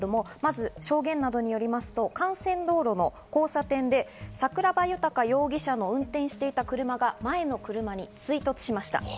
証言などによりますと、幹線道路の交差点で桜庭豊容疑者が運転していた車が前の車に追突しました。